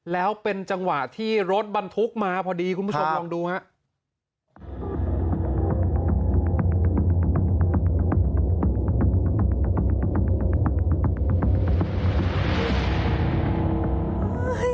แล้วเป็นจังหวะที่รถบรรทุกมาพอดีคุณผู้ชมลองดูครับ